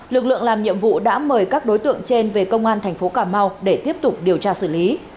lực lượng làm nhiệm vụ đã mời các đối tượng trên về công an thành phố cà mau để tiếp tục điều tra xử lý